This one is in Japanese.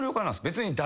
別に。